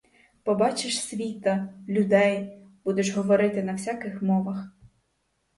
Побачиш світа, людей, будеш говорити на всяких мовах.